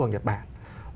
hoặc nhật bản